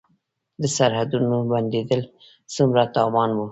د سرحدونو بندیدل څومره تاوان و؟